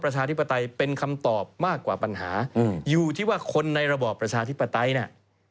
ประชาธิปไตยเป็นคำตอบมากกว่าปัญหาอยู่ที่ว่าคนในระบอบประชาธิปไตยเนี่ย